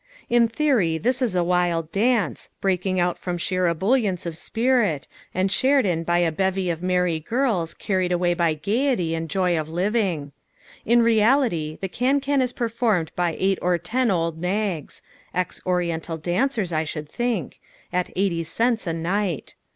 In theory this is a wild dance, breaking out from sheer ebullience of spirit, and shared in by a bevy of merry girls carried away by gaiety and joy of living. In reality the can can is performed by eight or ten old nags, ex Oriental dancers, I should think, at eighty cents a night.